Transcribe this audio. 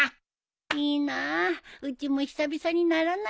いいなあうちも久々にならないかな。